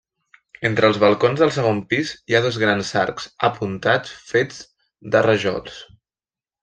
Entre els balcons del segon pis hi ha dos grans arcs apuntats fets de rajols.